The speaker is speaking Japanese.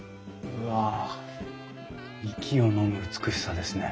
うわあ息をのむ美しさですね。